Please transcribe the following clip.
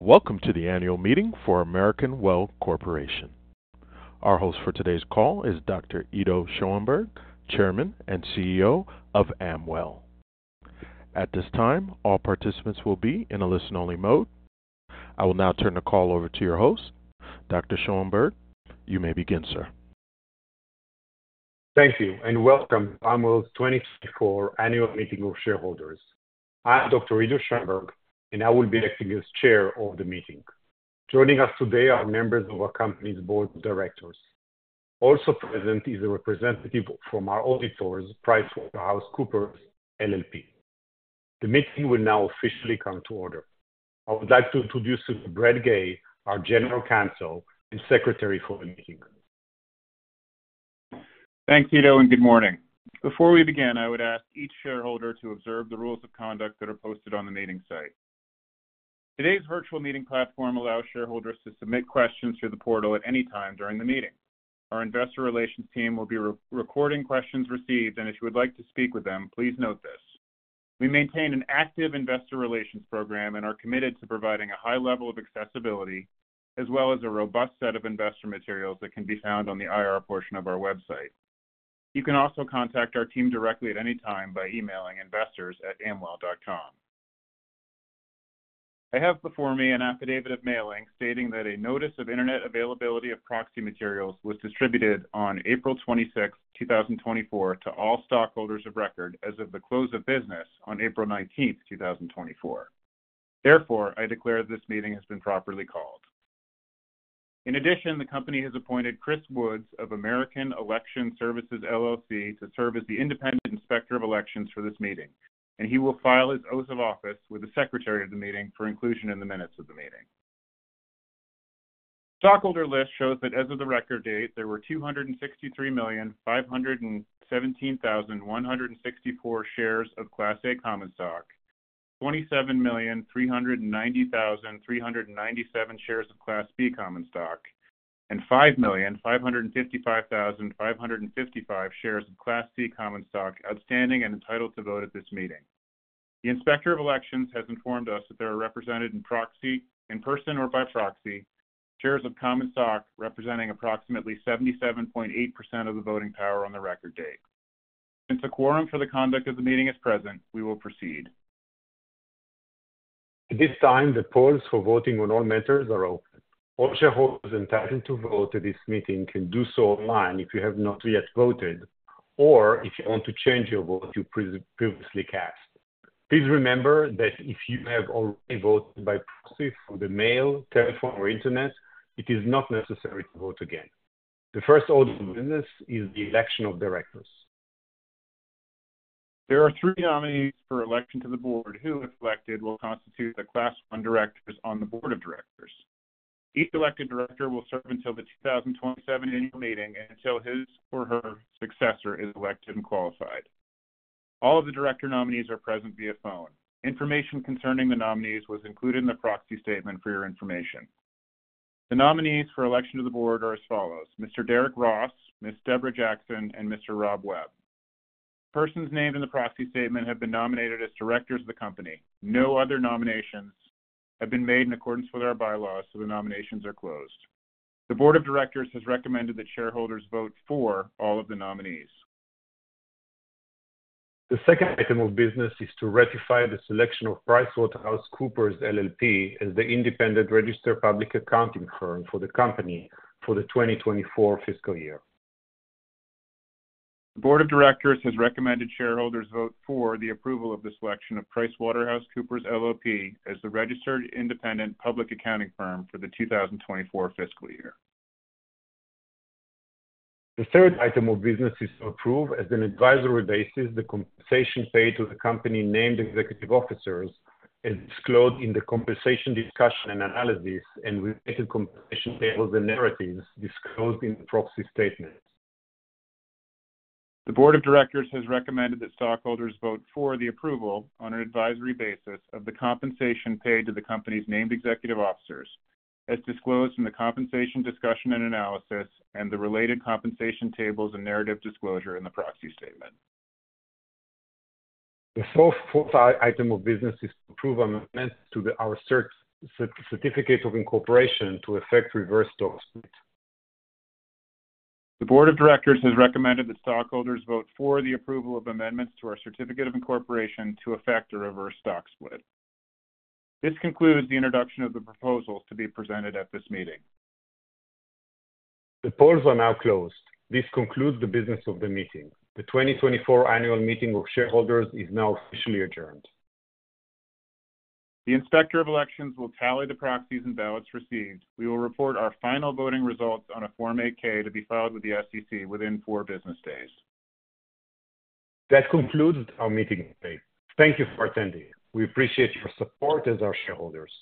Welcome to the annual meeting for American Well Corporation. Our host for today's call is Dr. Ido Schoenberg, Chairman and CEO of Amwell. At this time, all participants will be in a listen-only mode. I will now turn the call over to your host, Dr. Schoenberg. You may begin, sir. Thank you, and welcome to Amwell's 2024 annual meeting of shareholders. I'm Dr. Ido Schoenberg, and I will be acting as Chair of the meeting. Joining us today are members of our company's board of directors. Also present is a representative from our auditors, PricewaterhouseCoopers LLP. The meeting will now officially come to order. I would like to introduce to you Brad Gay, our General Counsel and Secretary for the meeting. Thanks, Ido, and good morning. Before we begin, I would ask each shareholder to observe the rules of conduct that are posted on the meeting site. Today's virtual meeting platform allows shareholders to submit questions through the portal at any time during the meeting. Our investor relations team will be recording questions received, and if you would like to speak with them, please note this. We maintain an active investor relations program and are committed to providing a high level of accessibility, as well as a robust set of investor materials that can be found on the IR portion of our website. You can also contact our team directly at any time by emailing investors@amwell.com. I have before me an affidavit of mailing stating that a Notice of Internet Availability of Proxy Materials was distributed on April 26, 2024, to all stockholders of record as of the close of business on April 19, 2024. Therefore, I declare that this meeting has been properly called. In addition, the company has appointed Chris Woods of American Election Services LLC to serve as the independent inspector of elections for this meeting, and he will file his oath of office with the Secretary of the meeting for inclusion in the minutes of the meeting. Stockholder list shows that as of the record date, there were 263,517,164 shares of Class A common stock, 27,390,397 shares of Class B common stock, and 5,555,555 shares of Class C common stock outstanding and entitled to vote at this meeting. The inspector of elections has informed us that there are represented in person or by proxy shares of common stock representing approximately 77.8% of the voting power on the record date. Since a quorum for the conduct of the meeting is present, we will proceed. At this time, the polls for voting on all matters are open. All shareholders entitled to vote at this meeting can do so online if you have not yet voted, or if you want to change your vote you previously cast. Please remember that if you have already voted by proxy through the mail, telephone, or internet, it is not necessary to vote again. The first order of business is the election of directors. There are three nominees for election to the board. Who is elected will constitute the Class I directors on the board of directors. Each elected director will serve until the 2027 annual meeting until his or her successor is elected and qualified. All of the director nominees are present via phone. Information concerning the nominees was included in the proxy statement for your information. The nominees for election to the board are as follows: Mr. Derek Ross, Ms. Deborah Jackson, and Mr. Rob Webb. Persons named in the proxy statement have been nominated as directors of the company. No other nominations have been made in accordance with our bylaws, so the nominations are closed. The board of directors has recommended that shareholders vote for all of the nominees. The second item of business is to ratify the selection of PricewaterhouseCoopers LLP as the independent registered public accounting firm for the company for the 2024 fiscal year. The board of directors has recommended shareholders vote for the approval of the selection of PricewaterhouseCoopers LLP as the registered independent public accounting firm for the 2024 fiscal year. The third item of business is to approve, on an advisory basis, the compensation paid to the company's named executive officers as disclosed in the Compensation Discussion and Analysis and related compensation tables and narratives disclosed in the proxy statement. The board of directors has recommended that stockholders vote for the approval on an advisory basis of the compensation paid to the company's named executive officers as disclosed in the Compensation Discussion and Analysis and the related compensation tables and narrative disclosure in the proxy statement. The fourth item of business is to approve amendments to our Certificate of Incorporation to effect reverse stock split. The board of directors has recommended that stockholders vote for the approval of amendments to our Certificate of Incorporation to effect a reverse stock split. This concludes the introduction of the proposals to be presented at this meeting. The polls are now closed. This concludes the business of the meeting. The 2024 annual meeting of shareholders is now officially adjourned. The inspector of elections will tally the proxies and ballots received. We will report our final voting results on a Form 8-K to be filed with the SEC within four business days. That concludes our meeting today. Thank you for attending. We appreciate your support as our shareholders.